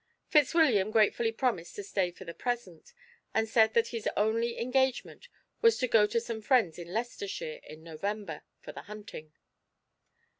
Fitzwilliam gratefully promised to stay for the present, and said that his only engagement was to go to some friends in Leicestershire in November, for the hunting.